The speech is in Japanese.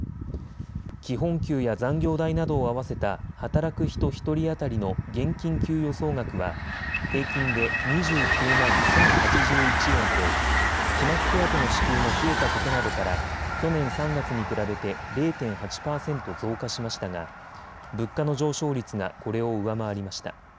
基本給や残業代などを合わせた働く人１人当たりの現金給与総額は平均で２９万１０８１円と期末手当の支給が増えたことなどから去年３月に比べて０．８％増加しましたが物価の上昇率がこれを上回りました。